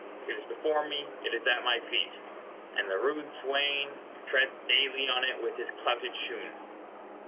It is before me—it is at my feet, "And the rude swain Treads daily on it with his clouted shoon."